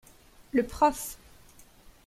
Le Prof.